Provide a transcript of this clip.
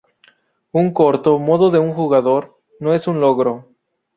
Un corto "modo de un jugador" no es un logro.